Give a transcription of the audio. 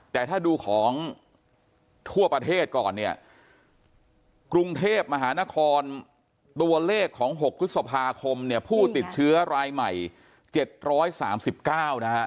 แต่ถ้าดูของทั่วประเทศก่อนเนี่ยกรุงเทพมหานครตัวเลขของ๖พฤษภาคมเนี่ยผู้ติดเชื้อรายใหม่๗๓๙นะฮะ